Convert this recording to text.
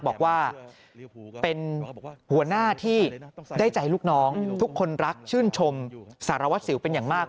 บอกว่าเป็นหัวหน้าที่ได้ใจลูกน้องทุกคนรักชื่นชมสารวัสสิวเป็นอย่างมาก